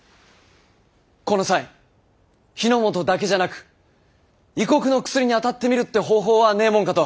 この際日の本だけじゃなく異国の薬にあたってみるって方法はねぇもんかと。